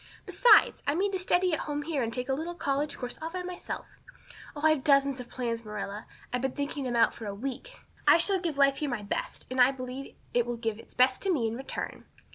Besides, I mean to study at home here and take a little college course all by myself. Oh, I've dozens of plans, Marilla. I've been thinking them out for a week. I shall give life here my best, and I believe it will give its best to me in return.